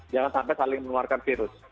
jangan sampai saling menularkan virus